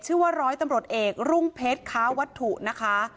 ชื่อว่าร้อยตำรวจเอกรุ่งเพชรค้าวัตถุนะคะ